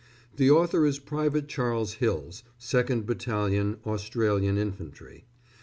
The author is Private Charles Hills, 2nd Battalion Australian Infantry.